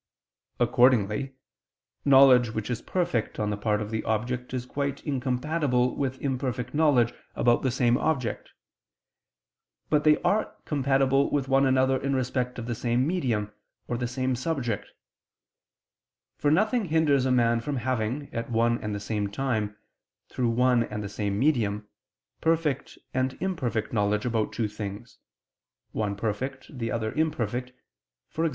Accordingly, knowledge which is perfect on the part of the object is quite incompatible with imperfect knowledge about the same object; but they are compatible with one another in respect of the same medium or the same subject: for nothing hinders a man from having at one and the same time, through one and the same medium, perfect and imperfect knowledge about two things, one perfect, the other imperfect, e.g.